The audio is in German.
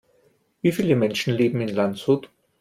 Wie viele Menschen leben in Landshut?